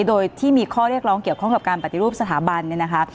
โดยที่มีข้อเรียกร้องเกี่ยวข้องกับการปฏิรูปสถาบันเนี่ยนะคะ